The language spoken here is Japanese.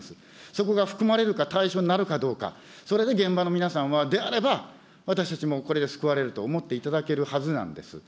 そこが含まれるか、対象になるかどうか、それで現場の皆さんは、であれば、私たちもこれで救われると思っていただけるはずなんです。